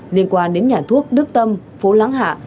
liên quan đến nhà thuốc đức tâm phố láng hạ